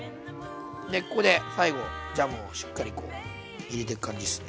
でここで最後ジャムをしっかりこう入れてく感じですね。